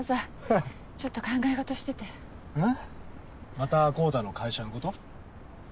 また昂太の会社のこと？